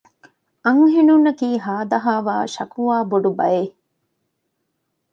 އަންހެނުންނަކީ ހާދަހާވާ ޝަކުވާ ބޮޑު ބައެއް